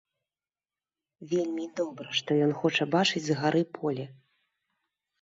Вельмі добра, што ён хоча бачыць з гары поле.